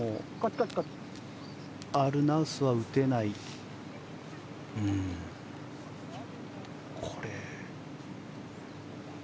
アルナウスは打てないか。